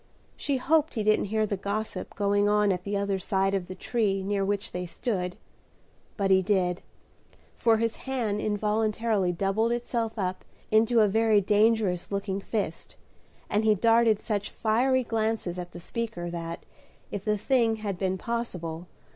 She hoped he didn't hear the gossip going on at the other side of the tree near which they stood; but he did, for his hand involuntarily doubled itself up into a very dangerous looking fist, and he darted such fiery glances at the speaker, that, if the thing had been possible.